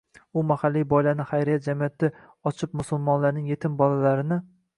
U mahalliy boylarni xayriya jamiyati ochib musulmonlarning etim bolalarini